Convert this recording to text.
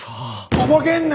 とぼけんな！